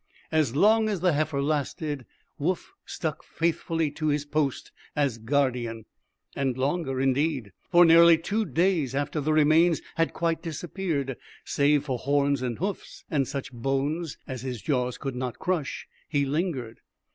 As long as the heifer lasted, Woof stuck faithfully to his post as guardian, and longer, indeed. For nearly two days after the remains had quite disappeared save for horns and hoofs and such bones as his jaws could not crush he lingered.